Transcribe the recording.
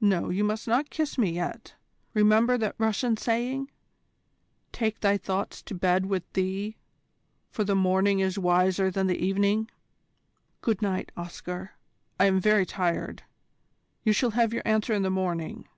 No, you must not kiss me yet. Remember that Russian saying, 'Take thy thoughts to bed with thee, for the morning is wiser than the evening.' Good night, Oscar, I am very tired. You shall have your answer in the morning.